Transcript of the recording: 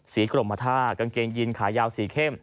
กรมท่ากางเกงยินขายาวสีเข้ม